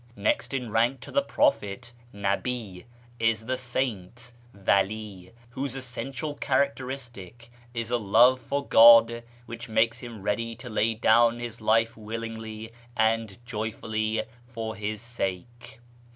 Next in rank to the prophet (nabi) is the saint (vali), whose essential characteristic is a love for God which makes him ready to lay down his life willingly and joyfully for His sake.